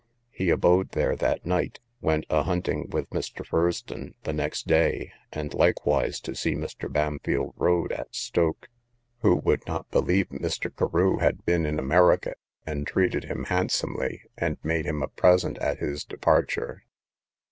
He abode there that night, went a hunting with Mr. Fursdon the next day, and likewise to see Mr. Bampfylde Rode, at Stoke, who would not believe Mr. Carew had been in America; he treated him handsomely, and made him a present at his departure.